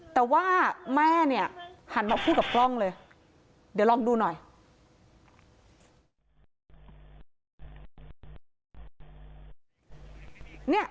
แต่ว่าแม่เนี่ยหันมาพูดกับกล้องเลยเดี๋ยวลองดูหน่อย